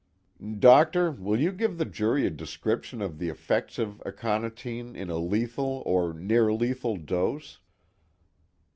"Doctor, will you give the jury a description of the effects of aconitine in a lethal or near lethal dose?"